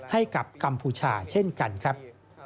กัมพูชาเช่นกันครับ